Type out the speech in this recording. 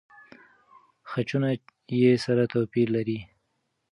خجونه يې سره توپیر لري.